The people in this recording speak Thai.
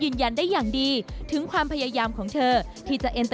ยืนยันได้อย่างดีถึงความพยายามของเธอที่จะ